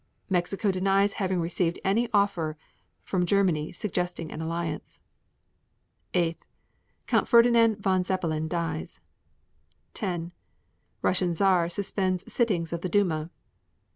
3. Mexico denies having received an offer from Germany suggesting an alliance. 8. Count Ferdinand von Zeppelin dies. 10. Russian Czar suspends sittings of the Duma.